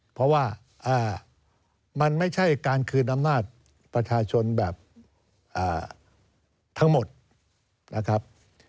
เพราะว่ามันไม่ใช่การคืนอำนาจประชาชนแบบทั้งหมดนะครับ